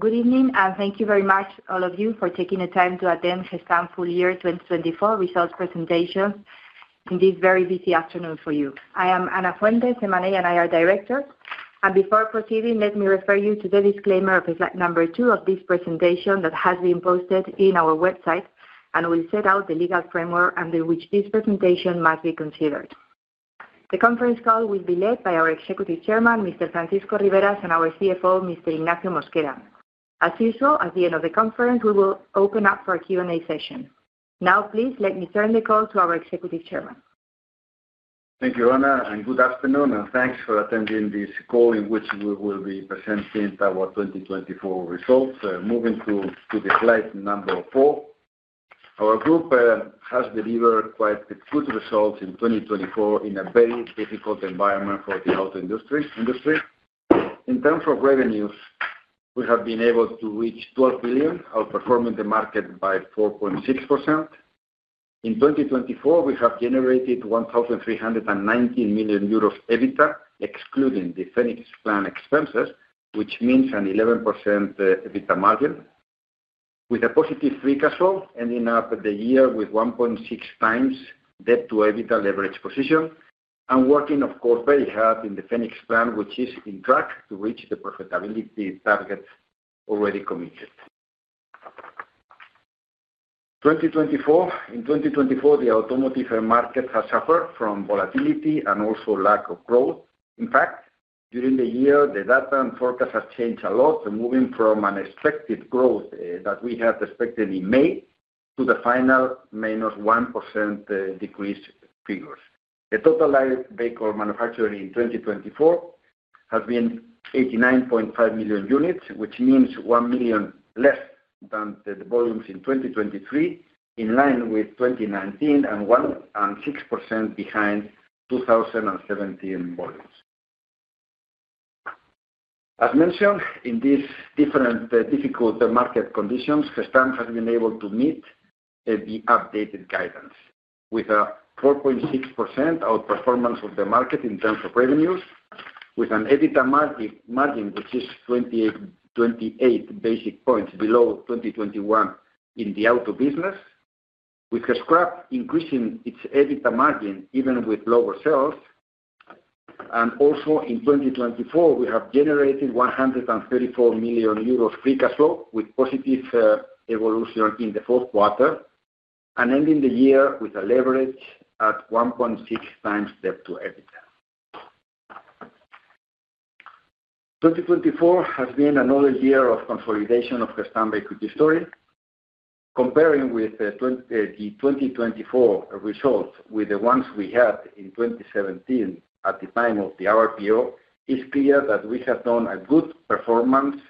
Good evening, and thank you very much, all of you, for taking the time to attend Gestamp Full Year 2024 Results Presentations in this very busy afternoon for you. I am Ana Fuentes, M&A and IR Director, and before proceeding, let me refer you to the disclaimer of number two of this presentation that has been posted in our website, and we'll set out the legal framework under which this presentation must be considered. The conference call will be led by our Executive Chairman, Mr. Francisco Riberas, and our CFO, Mr. Ignacio Mosquera Vázquez. As usual, at the end of the conference, we will open up for a Q&A session. Now, please let me turn the call to our Executive Chairman. Thank you, Ana, and good afternoon, and thanks for attending this call in which we will be presenting our 2024 results. Moving to the slide number four, our group has delivered quite good results in 2024 in a very difficult environment for the auto industry. In terms of revenues, we have been able to reach 12 billion, outperforming the market by 4.6%. In 2024, we have generated 1,319 million euros EBITDA, excluding the Phoenix Plan expenses, which means an 11% EBITDA margin, with a positive free cash flow, ending up the year with 1.6 times debt-to-EBITDA leverage position, and working, of course, very hard in the Phoenix Plan, which is on track to reach the profitability targets already committed. In 2024, the automotive market has suffered from volatility and also lack of growth. In fact, during the year, the data and forecasts have changed a lot, moving from unexpected growth that we had expected in May to the final minus 1% decrease figures. The total vehicle manufactured in 2024 has been 89.5 million units, which means one million less than the volumes in 2023, in line with 2019 and 6% behind 2017 volumes. As mentioned, in these different difficult market conditions, Gestamp has been able to meet the updated guidance with a 4.6% outperformance of the market in terms of revenues, with an EBITDA margin which is 28 basis points below 2021 in the auto business, with the scrap increasing its EBITDA margin even with lower sales. And also, in 2024, we have generated 134 million euros free cash flow with positive evolution in the fourth quarter, and ending the year with a leverage at 1.6 times debt-to-EBITDA. 2024 has been another year of consolidation of Gestamp Equity Story. Comparing the 2024 results with the ones we had in 2017 at the time of the RPO, it's clear that we have done a good performance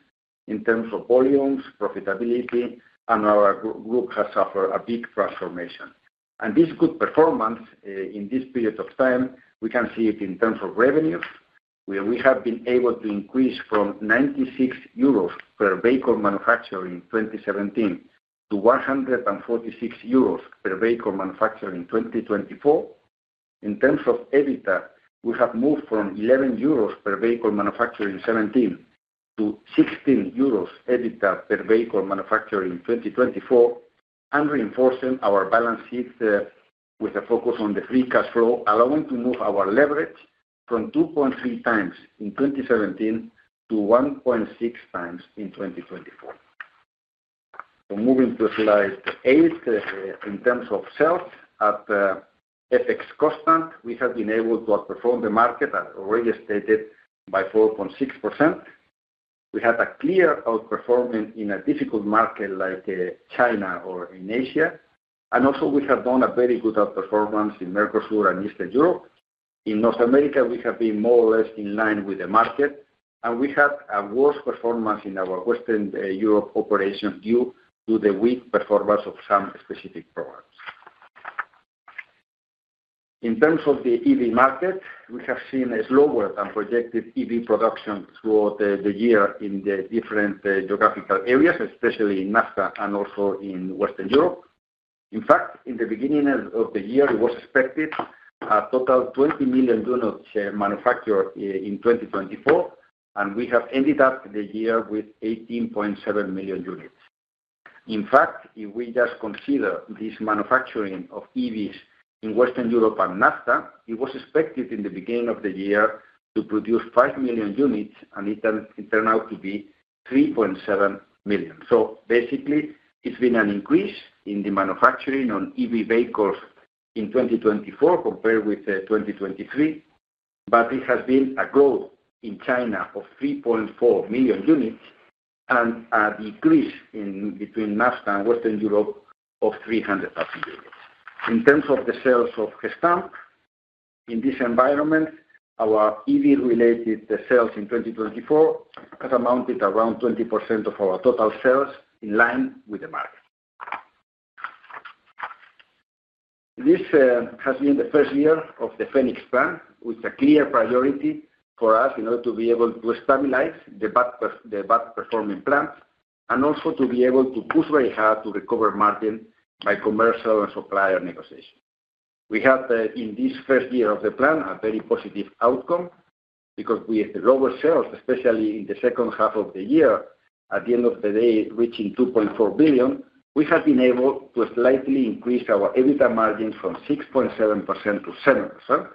in terms of volumes, profitability, and our group has suffered a big transformation, and this good performance in this period of time, we can see it in terms of revenues, where we have been able to increase from 96 euros per vehicle manufactured in 2017 to 146 euros per vehicle manufactured in 2024. In terms of EBITDA, we have moved from 11 euros per vehicle manufactured in 2017 to 16 euros EBITDA per vehicle manufactured in 2024, and reinforcing our balance sheet with a focus on the free cash flow, allowing us to move our leverage from 2.3 times in 2017 to 1.6 times in 2024. Moving to slide eight, in terms of sales, at FX constant, we have been able to outperform the market, as already stated, by 4.6%. We had a clear outperformance in a difficult market like China or in Asia, and also, we have done a very good outperformance in Mercosur and Eastern Europe. In North America, we have been more or less in line with the market, and we had a worse performance in our Western Europe operations due to the weak performance of some specific products. In terms of the EV market, we have seen a slower than projected EV production throughout the year in the different geographical areas, especially in NAFTA and also in Western Europe. In fact, in the beginning of the year, it was expected a total of 20 million units manufactured in 2024, and we have ended up the year with 18.7 million units. In fact, if we just consider this manufacturing of EVs in Western Europe and NAFTA, it was expected in the beginning of the year to produce 5 million units, and it turned out to be 3.7 million. So basically, it's been an increase in the manufacturing of EV vehicles in 2024 compared with 2023, but it has been a growth in China of 3.4 million units and a decrease between NAFTA and Western Europe of 300,000 units. In terms of the sales of Gestamp, in this environment, our EV-related sales in 2024 have amounted to around 20% of our total sales in line with the market. This has been the first year of the Phoenix Plan, which is a clear priority for us in order to be able to stabilize the bad-performing plants and also to be able to push very hard to recover margin by commercial and supplier negotiations. We have, in this first year of the plan, a very positive outcome because with the lower sales, especially in the second half of the year, at the end of the day, reaching 2.4 billion, we have been able to slightly increase our EBITDA margin from 6.7%-7%.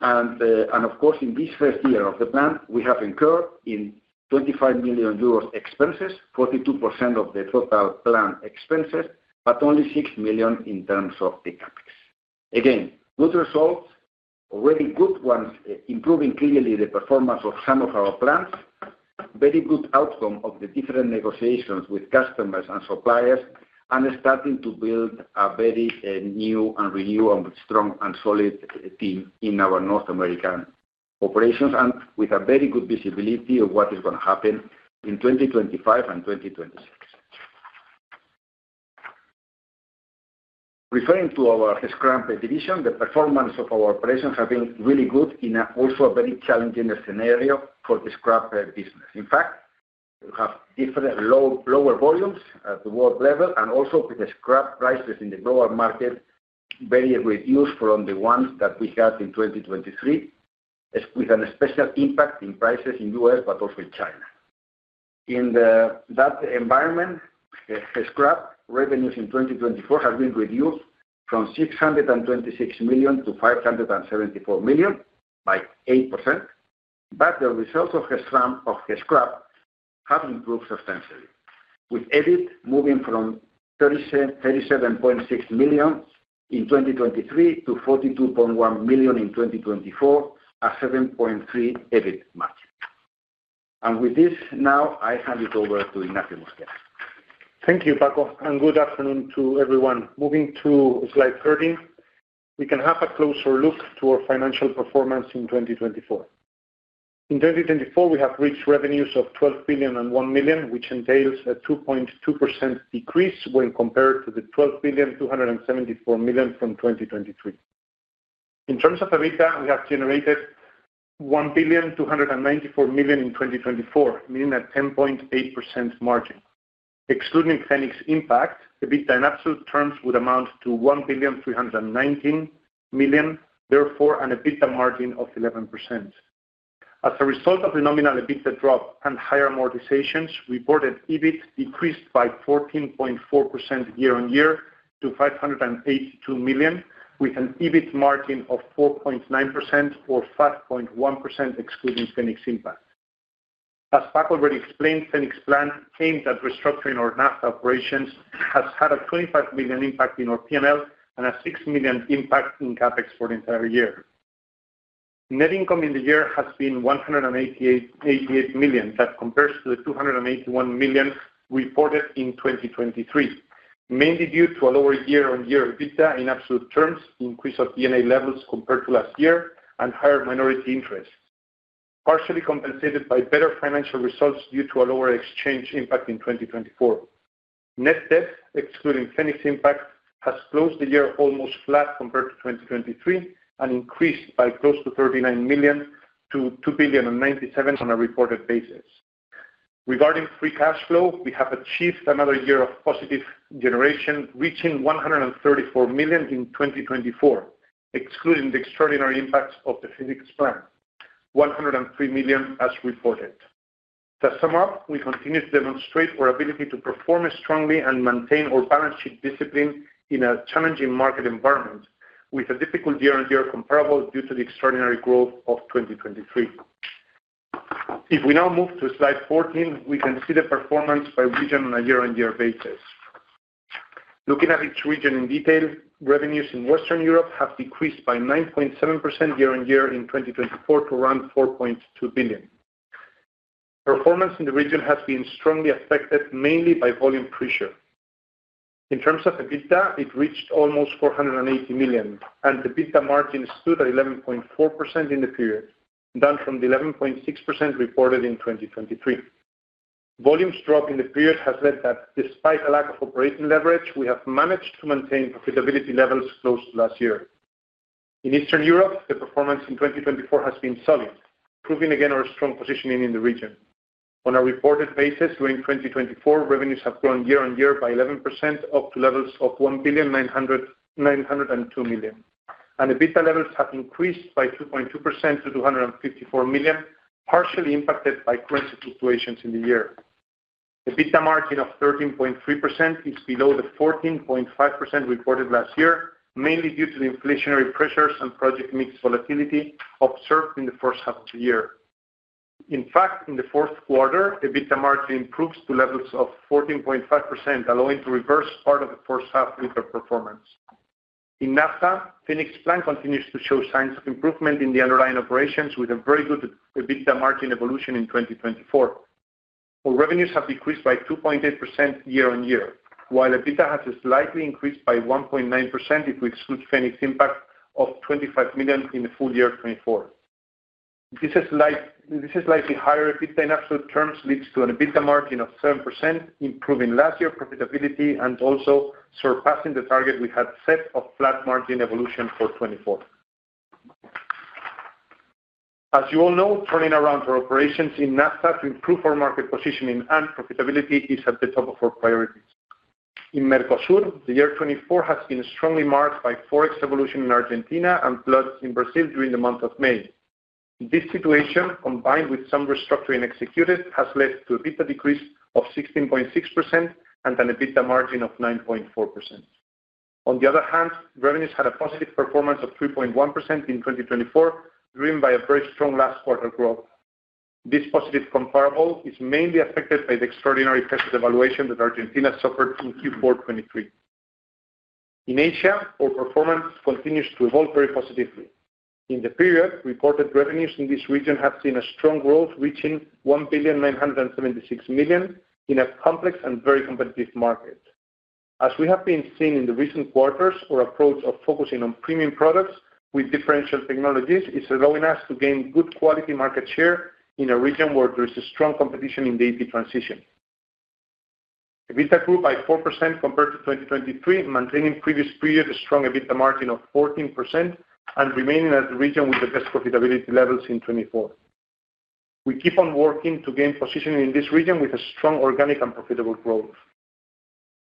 And of course, in this first year of the plan, we have incurred 25 million euros expenses, 42% of the total plan expenses, but only 6 million in terms of the CapEx. Again, good results, already good ones, improving clearly the performance of some of our plants, very good outcome of the different negotiations with customers and suppliers, and starting to build a very new and renewed and strong and solid team in our North American operations and with a very good visibility of what is going to happen in 2025 and 2026. Referring to our scrap division, the performance of our operations has been really good in also a very challenging scenario for the scrap business. In fact, we have different lower volumes at the world level and also with the scrap prices in the global market, very reduced from the ones that we had in 2023, with an especially impact in prices in the U.S., but also in China. In that environment, scrap revenues in 2024 have been reduced from 626 million-574 million by 8%, but the results of the scrap have improved substantially, with EBIT moving from 37.6 million in 2023 to 42.1 million in 2024, a 7.3% EBIT margin. And with this, now I hand it over to Ignacio Mosquera Vázquez. Thank you, Paco, and good afternoon to everyone. Moving to slide 13, we can have a closer look to our financial performance in 2024. In 2024, we have reached revenues of 12 billion and 1 million, which entails a 2.2% decrease when compared to the 12 billion and 274 million from 2023. In terms of EBITDA, we have generated 1 billion and 294 million in 2024, meaning a 10.8% margin. Excluding Phoenix Plan, EBITDA in absolute terms would amount to 1 billion and 319 million, therefore an EBITDA margin of 11%. As a result of the nominal EBITDA drop and higher amortizations, reported EBIT decreased by 14.4% year-on-year to 582 million, with an EBIT margin of 4.9% or 5.1% excluding Phoenix Plan. As Paco already explained, Phoenix Plan aimed at restructuring our NAFTA operations, has had a 25 million impact in our P&L and a 6 million impact in CapEx for the entire year. Net income in the year has been 188 million, that compares to the 281 million reported in 2023, mainly due to a lower year-on-year EBITDA in absolute terms, increase of D&A levels compared to last year, and higher minority interest, partially compensated by better financial results due to a lower exchange impact in 2024. Net debt, excluding Phoenix Impact, has closed the year almost flat compared to 2023 and increased by close to 39 million-2 billion and 97 million on a reported basis. Regarding free cash flow, we have achieved another year of positive generation, reaching 134 million in 2024, excluding the extraordinary impacts of the Phoenix Plan, 103 million as reported. To sum up, we continue to demonstrate our ability to perform strongly and maintain our balance sheet discipline in a challenging market environment, with a difficult year-on-year comparable due to the extraordinary growth of 2023. If we now move to slide 14, we can see the performance by region on a year-on-year basis. Looking at each region in detail, revenues in Western Europe have decreased by 9.7% year-on-year in 2024 to around 4.2 billion. Performance in the region has been strongly affected mainly by volume pressure. In terms of EBITDA, it reached almost 480 million, and the EBITDA margin stood at 11.4% in the period, down from the 11.6% reported in 2023. Volumes drop in the period has led that, despite a lack of operating leverage, we have managed to maintain profitability levels close to last year. In Eastern Europe, the performance in 2024 has been solid, proving again our strong positioning in the region. On a reported basis, during 2024, revenues have grown year-on-year by 11%, up to levels of €1 billion and €902 million, and EBITDA levels have increased by 2.2% to €254 million, partially impacted by currency fluctuations in the year. EBITDA margin of 13.3% is below the 14.5% reported last year, mainly due to the inflationary pressures and project mix volatility observed in the first half of the year. In fact, in the fourth quarter, EBITDA margin improves to levels of 14.5%, allowing to reverse part of the first half with our performance. In NAFTA, Phoenix Plan continues to show signs of improvement in the underlying operations, with a very good EBITDA margin evolution in 2024. Our revenues have decreased by 2.8% year-on-year, while EBITDA has slightly increased by 1.9% if we exclude Phoenix Impact of 25 million in the full year of 2024. This slightly higher EBITDA in absolute terms leads to an EBITDA margin of 7%, improving last year's profitability and also surpassing the target we had set of flat margin evolution for 2024. As you all know, turning around our operations in NAFTA to improve our market positioning and profitability is at the top of our priorities. In Mercosur, the year 2024 has been strongly marked by Forex evolution in Argentina and floods in Brazil during the month of May. This situation, combined with some restructuring executed, has led to a EBITDA decrease of 16.6% and an EBITDA margin of 9.4%. On the other hand, revenues had a positive performance of 3.1% in 2024, driven by a very strong last quarter growth. This positive comparable is mainly affected by the extraordinary massive devaluation that Argentina suffered in Q4 2023. In Asia, our performance continues to evolve very positively. In the period, reported revenues in this region have seen a strong growth, reaching €1 billion and €976 million in a complex and very competitive market. As we have been seeing in the recent quarters, our approach of focusing on premium products with differential technologies is allowing us to gain good quality market share in a region where there is strong competition in the EV transition. EBITDA grew by 4% compared to 2023, maintaining previous period a strong EBITDA margin of 14% and remaining as the region with the best profitability levels in 2024. We keep on working to gain positioning in this region with a strong organic and profitable growth.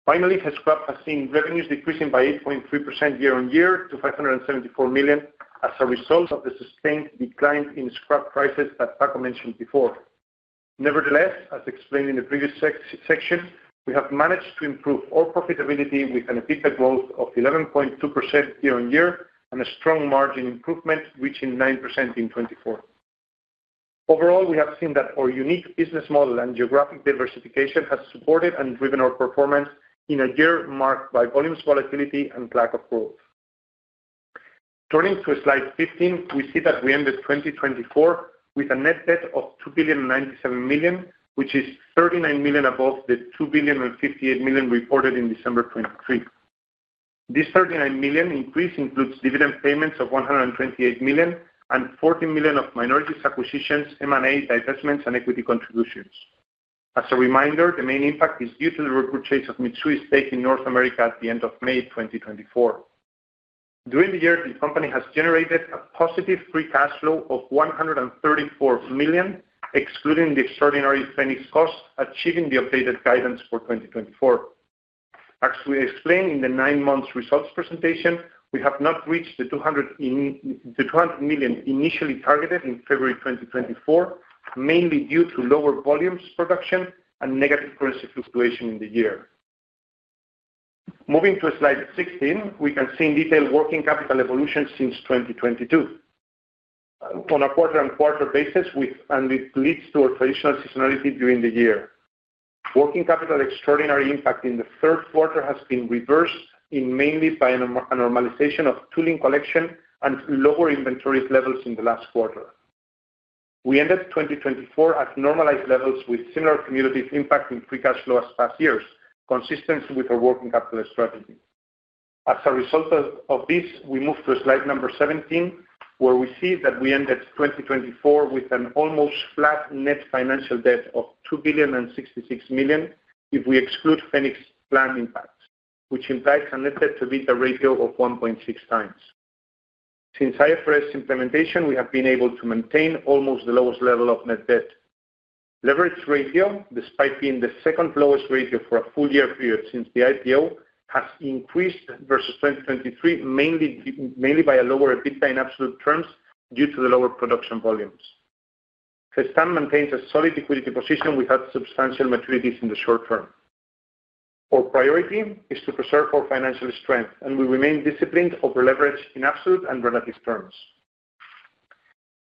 Finally, scrap has seen revenues decreasing by 8.3% year-on-year to 574 million as a result of the sustained decline in scrap prices that Paco mentioned before. Nevertheless, as explained in the previous section, we have managed to improve our profitability with an EBITDA growth of 11.2% year-on-year and a strong margin improvement, reaching 9% in 2024. Overall, we have seen that our unique business model and geographic diversification has supported and driven our performance in a year marked by volumes, volatility, and lack of growth. Turning to slide 15, we see that we ended 2024 with a net debt of 2 billion and 97 million, which is 39 million above the 2 billion and 58 million reported in December 2023. This 39 million increase includes dividend payments of 128 million and 14 million of minority acquisitions, M&A, divestments, and equity contributions. As a reminder, the main impact is due to the repurchase of Mitsui's stake in North America at the end of May 2024. During the year, the company has generated a positive free cash flow of 134 million, excluding the extraordinary Phoenix costs, achieving the updated guidance for 2024. As we explained in the nine-month results presentation, we have not reached the 200 million initially targeted in February 2024, mainly due to lower volumes production and negative currency fluctuation in the year. Moving to slide 16, we can see in detail working capital evolution since 2022 on a quarter-on-quarter basis, and it leads to our traditional seasonality during the year. Working capital extraordinary impact in the third quarter has been reversed mainly by a normalization of tooling collection and lower inventory levels in the last quarter. We ended 2024 at normalized levels with similar cumulative impact in free cash flow as past years, consistent with our working capital strategy. As a result of this, we move to slide number 17, where we see that we ended 2024 with an almost flat net financial debt of 2 billion and 66 million if we exclude Phoenix Plan impacts, which implies a net debt-to-EBITDA ratio of 1.6 times. Since IFRS implementation, we have been able to maintain almost the lowest level of net debt. Leverage ratio, despite being the second lowest ratio for a full year period since the IPO, has increased versus 2023 mainly by a lower EBITDA in absolute terms due to the lower production volumes. Gestamp maintains a solid liquidity position without substantial maturities in the short term. Our priority is to preserve our financial strength, and we remain disciplined over leverage in absolute and relative terms.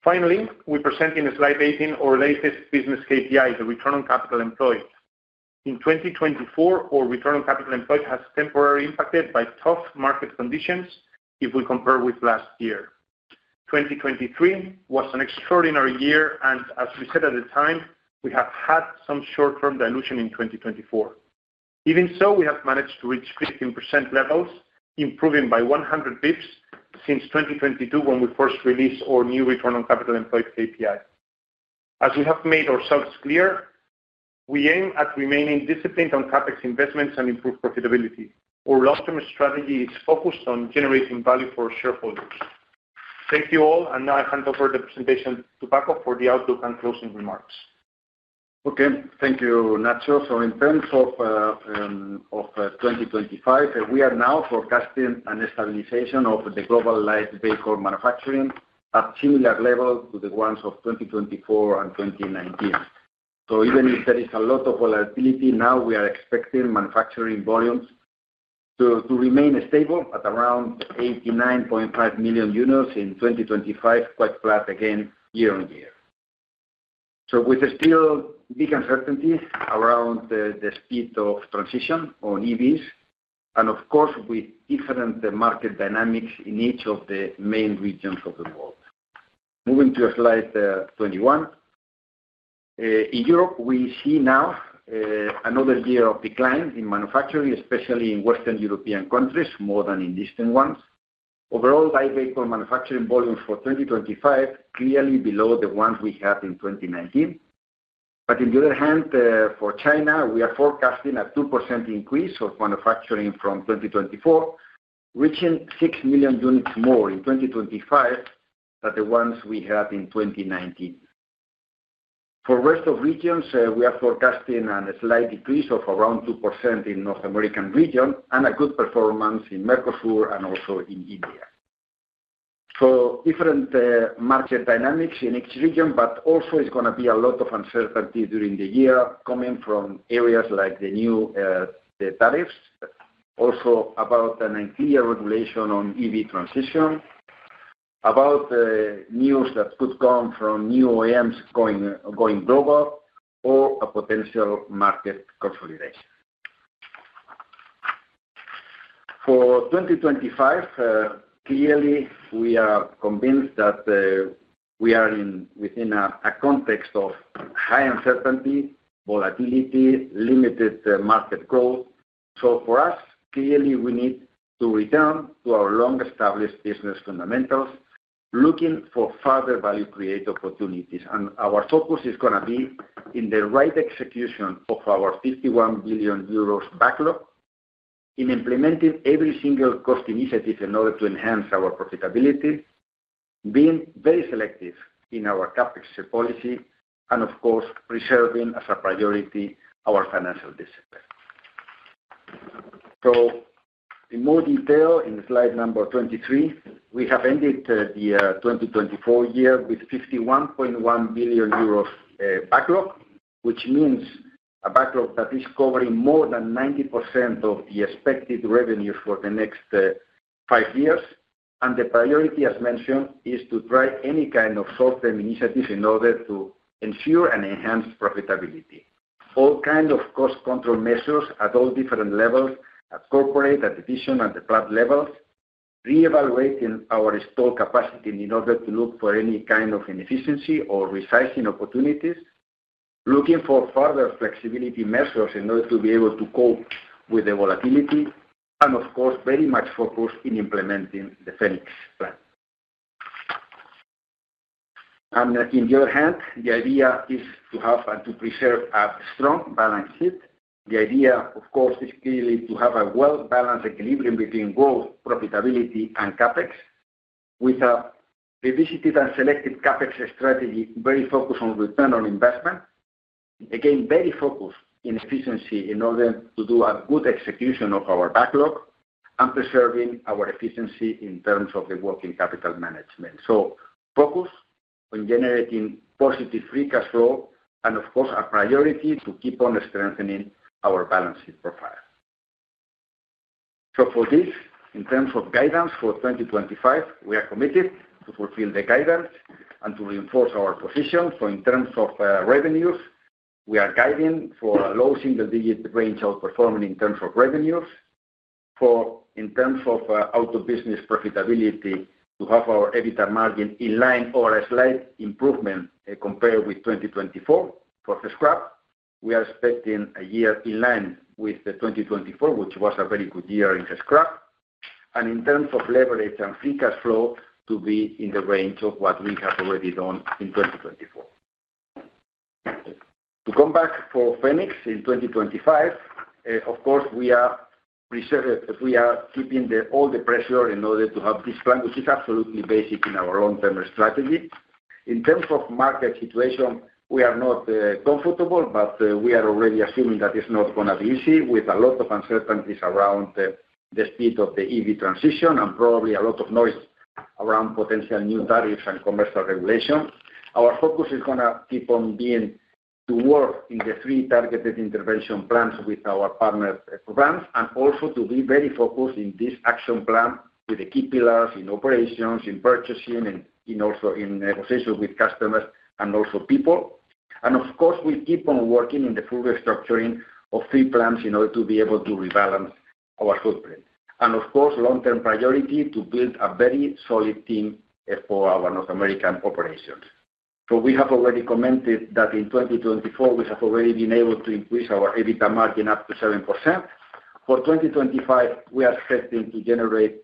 Finally, we present in slide 18 our latest business KPI, the Return on Capital Employed. In 2024, our Return on Capital Employed has temporarily impacted by tough market conditions if we compare with last year. 2023 was an extraordinary year, and as we said at the time, we have had some short-term dilution in 2024. Even so, we have managed to reach 15% levels, improving by 100 basis points since 2022 when we first released our new Return on Capital Employed KPI. As we have made ourselves clear, we aim at remaining disciplined on CapEx investments and improved profitability. Our long-term strategy is focused on generating value for our shareholders. Thank you all, and now I hand over the presentation to Paco for the outlook and closing remarks. Okay, thank you, Nacho. So in terms of 2025, we are now forecasting a stabilization of the global light vehicle manufacturing at similar levels to the ones of 2024 and 2019, so even if there is a lot of volatility, now we are expecting manufacturing volumes to remain stable at around €89.5 million in 2025, quite flat again year-on-year, so with still big uncertainties around the speed of transition on EVs and, of course, with different market dynamics in each of the main regions of the world. Moving to slide 21, in Europe, we see now another year of decline in manufacturing, especially in Western European countries more than in Eastern ones. Overall, light vehicle manufacturing volumes for 2025 are clearly below the ones we had in 2019. But on the other hand, for China, we are forecasting a 2% increase of manufacturing from 2024, reaching 6 million units more in 2025 than the ones we had in 2019. For rest of regions, we are forecasting a slight decrease of around 2% in the North American region and a good performance in Mercosur and also in India. So different market dynamics in each region, but also it's going to be a lot of uncertainty during the year coming from areas like the new tariffs, also about an unclear regulation on EV transition, about news that could come from new OEMs going global, or a potential market consolidation. For 2025, clearly, we are convinced that we are within a context of high uncertainty, volatility, limited market growth. So for us, clearly, we need to return to our long-established business fundamentals, looking for further value-create opportunities. Our focus is going to be in the right execution of our 51 billion euros backlog, in implementing every single cost initiative in order to enhance our profitability, being very selective in our CapEx policy, and, of course, preserving as a priority our financial discipline. In more detail, in slide number 23, we have ended the 2024 year with 51.1 billion euros backlog, which means a backlog that is covering more than 90% of the expected revenues for the next five years. The priority, as mentioned, is to try any kind of short-term initiatives in order to ensure and enhance profitability. All kinds of cost control measures at all different levels, at corporate, at division, and at the plant levels, reevaluating our steel capacity in order to look for any kind of inefficiency or resizing opportunities, looking for further flexibility measures in order to be able to cope with the volatility, and, of course, very much focused on implementing the Phoenix Plan. On the other hand, the idea is to have and to preserve a strong balance sheet. The idea, of course, is clearly to have a well-balanced equilibrium between growth, profitability, and CapEx, with a revisited and selected CapEx strategy very focused on return on investment, again, very focused on inefficiency in order to do a good execution of our backlog and preserving our efficiency in terms of the working capital management. So, focus on generating positive free cash flow and, of course, a priority to keep on strengthening our balance sheet profile. So, for this, in terms of guidance for 2025, we are committed to fulfill the guidance and to reinforce our position. So, in terms of revenues, we are guiding for a low single-digit range of performance in terms of revenues. For, in terms of our business profitability, to have our EBITDA margin in line or a slight improvement compared with 2024. For the scrap, we are expecting a year in line with 2024, which was a very good year in the scrap. And, in terms of leverage and free cash flow, to be in the range of what we have already done in 2024. To come back for Phoenix in 2025, of course, we are keeping all the pressure in order to have this plan, which is absolutely basic in our long-term strategy. In terms of market situation, we are not comfortable, but we are already assuming that it's not going to be easy with a lot of uncertainties around the speed of the EV transition and probably a lot of noise around potential new tariffs and commercial regulation. Our focus is going to keep on being to work in the three targeted intervention plans with our partner brands and also to be very focused in this action plan with the key pillars in operations, in purchasing, and also in negotiation with customers and also people, and of course, we keep on working in the full restructuring of three plans in order to be able to rebalance our footprint. Of course, long-term priority to build a very solid team for our North American operations. We have already commented that in 2024, we have already been able to increase our EBITDA margin up to 7%. For 2025, we are expecting to generate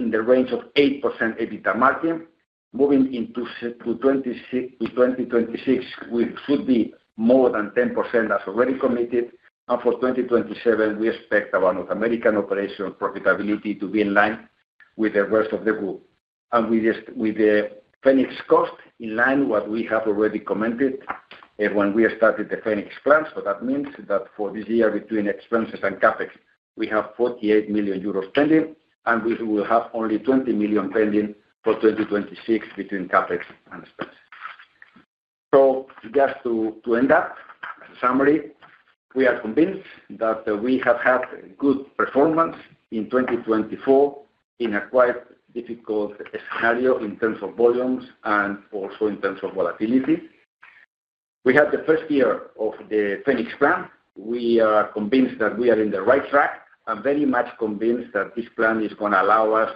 in the range of 8% EBITDA margin. Moving into 2026, we should be more than 10% as already committed. For 2027, we expect our North American operation profitability to be in line with the rest of the group and with the Phoenix Plan in line with what we have already commented when we started the Phoenix Plan. That means that for this year, between expenses and CapEx, we have €48 million pending, and we will have only €20 million pending for 2026 between CapEx and expenses. So just to end up, as a summary, we are convinced that we have had good performance in 2024 in a quite difficult scenario in terms of volumes and also in terms of volatility. We had the first year of the Phoenix Plan. We are convinced that we are in the right track and very much convinced that this plan is going to allow us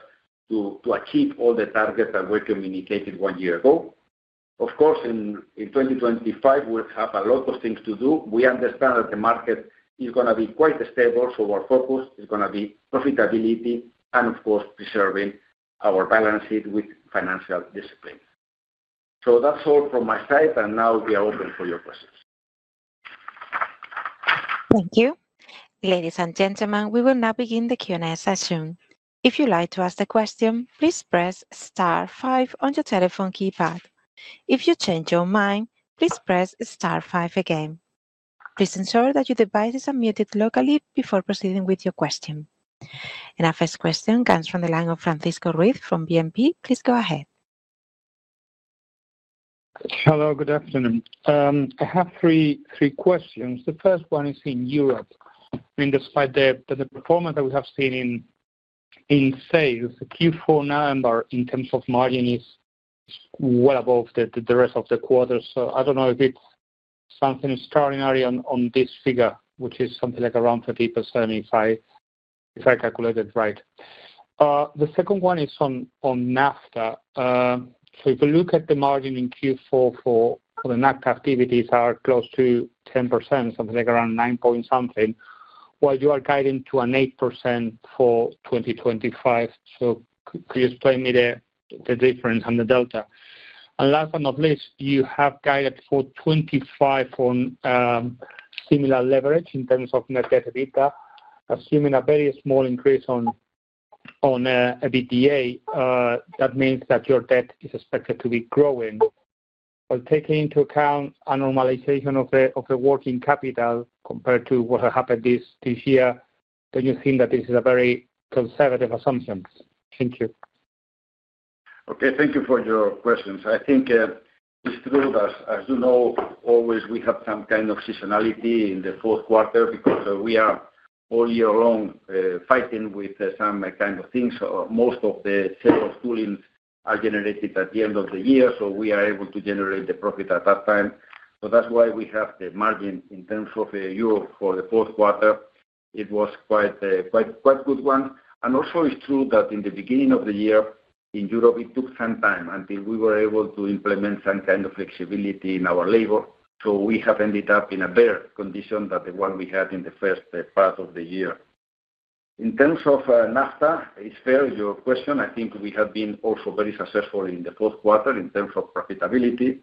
to achieve all the targets that were communicated one year ago. Of course, in 2025, we have a lot of things to do. We understand that the market is going to be quite stable, so our focus is going to be profitability and, of course, preserving our balance sheet with financial discipline. So that's all from my side, and now we are open for your questions. Thank you. Ladies and gentlemen, we will now begin the Q&A session. If you'd like to ask a question, please press star five on your telephone keypad. If you change your mind, please press star five again. Please ensure that your device is unmuted locally before proceeding with your question. And our first question comes from the line of Francisco Ruiz from BNP. Please go ahead. Hello, good afternoon. I have three questions. The first one is in Europe. I mean, despite the performance that we have seen in sales, the Q4 number in terms of margin is well above the rest of the quarter. So I don't know if it's something extraordinary on this figure, which is something like around 30% if I calculate it right. The second one is on NAFTA. So if you look at the margin in Q4 for the NAFTA activities, they are close to 10%, something like around 9 point something, while you are guiding to an 8% for 2025. So could you explain me the difference and the delta? And last but not least, you have guided for 2025 on similar leverage in terms of net debt EBITDA, assuming a very small increase on EBITDA. That means that your debt is expected to be growing. But taking into account a normalization of the working capital compared to what happened this year, don't you think that this is a very conservative assumption? Thank you. Okay, thank you for your questions. I think it's true that, as you know, always we have some kind of seasonality in the fourth quarter because we are all year long fighting with some kind of things. Most of the sales of tooling are generated at the end of the year, so we are able to generate the profit at that time. So that's why we have the margin in terms of Europe for the fourth quarter. It was quite a good one. And also it's true that in the beginning of the year in Europe, it took some time until we were able to implement some kind of flexibility in our labor. So we have ended up in a better condition than the one we had in the first part of the year. In terms of NAFTA, it's fair, your question. I think we have been also very successful in the fourth quarter in terms of profitability.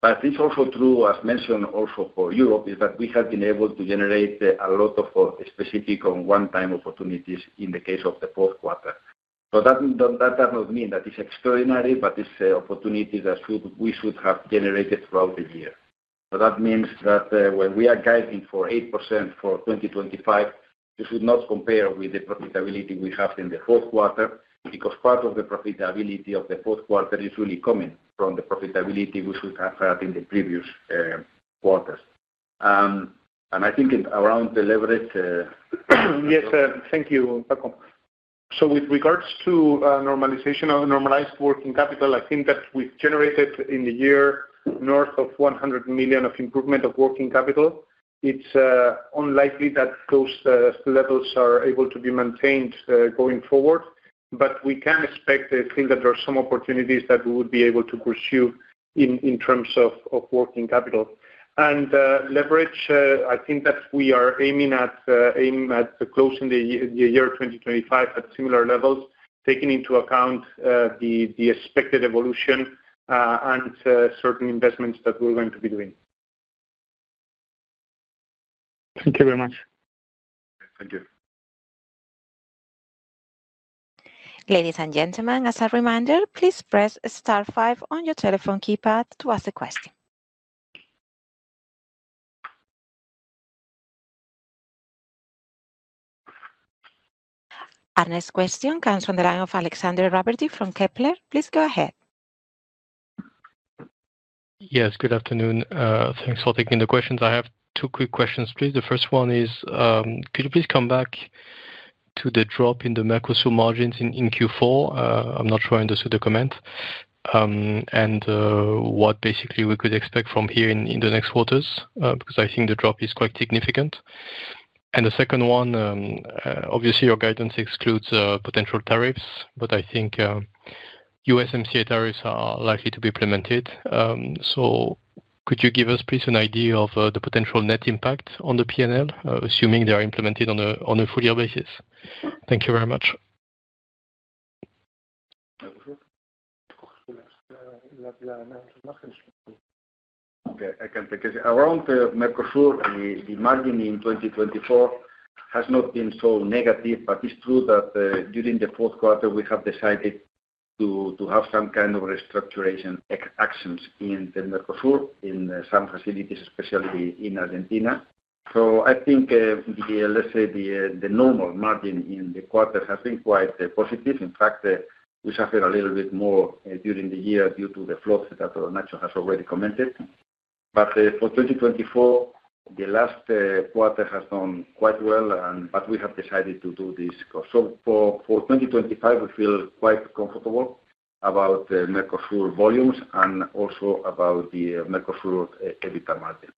But it's also true, as mentioned also for Europe, that we have been able to generate a lot of specific one-time opportunities in the case of the fourth quarter. So that does not mean that it's extraordinary, but it's opportunities that we should have generated throughout the year. So that means that when we are guiding for 8% for 2025, you should not compare with the profitability we have in the fourth quarter because part of the profitability of the fourth quarter is really coming from the profitability we should have had in the previous quarters. And I think around the leverage. Yes, thank you, Paco. With regards to normalized working capital, I think that we've generated in the year north of 100 million of improvement of working capital. It's unlikely that those levels are able to be maintained going forward, but we can expect to think that there are some opportunities that we would be able to pursue in terms of working capital, and leverage. I think that we are aiming at closing the year 2025 at similar levels, taking into account the expected evolution and certain investments that we're going to be doing. Thank you very much. Thank you. Ladies and gentlemen, as a reminder, please press star five on your telephone keypad to ask a question. Our next question comes from the line of Alexandre Raverdy from Kepler. Please go ahead. Yes, good afternoon. Thanks for taking the questions. I have two quick questions, please. The first one is, could you please come back to the drop in the Mercosur margins in Q4? I'm not sure I understood the comment and what basically we could expect from here in the next quarters because I think the drop is quite significant. And the second one, obviously, your guidance excludes potential tariffs, but I think USMCA tariffs are likely to be implemented. So could you give us, please, an idea of the potential net impact on the P&L, assuming they are implemented on a full-year basis? Thank you very much. Okay, I can take it. Around Mercosur, the margin in 2024 has not been so negative, but it's true that during the fourth quarter, we have decided to have some kind of restructuring actions in the Mercosur in some facilities, especially in Argentina. So I think, let's say, the normal margin in the quarter has been quite positive. In fact, we suffered a little bit more during the year due to the flood that Nacho has already commented. But for 2024, the last quarter has done quite well, but we have decided to do this. So for 2025, we feel quite comfortable about Mercosur volumes and also about the Mercosur EBITDA margin.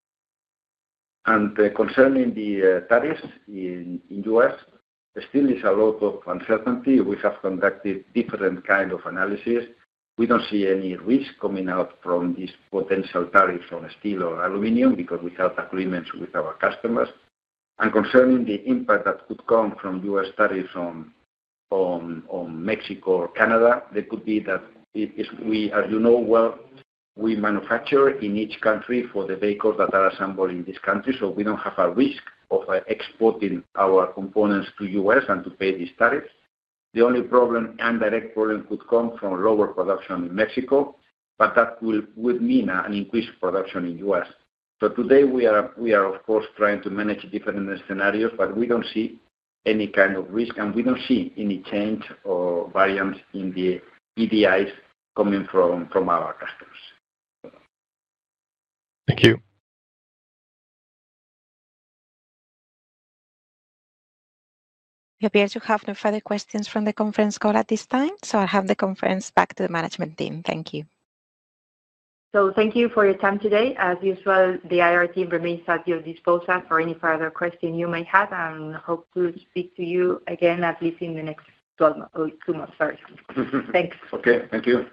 And concerning the tariffs in U.S., still there's a lot of uncertainty. We have conducted different kinds of analysis. We don't see any risk coming out from these potential tariffs on steel or aluminum because we have agreements with our customers, and concerning the impact that could come from U.S. tariffs on Mexico or Canada, there could be that, as you know well, we manufacture in each country for the vehicles that are assembled in this country, so we don't have a risk of exporting our components to the U.S. and to pay these tariffs. The only direct problem could come from lower production in Mexico, but that would mean an increased production in the U.S., so today, we are, of course, trying to manage different scenarios, but we don't see any kind of risk, and we don't see any change or variance in the EDIs coming from our customers. Thank you. We appear to have no further questions from the conference call at this time, so I'll hand the conference back to the management team. Thank you. So thank you for your time today. As usual, the IR team remains at your disposal for any further questions you may have. I hope to speak to you again, at least in the next two months. Sorry. Thanks. Okay, thank you.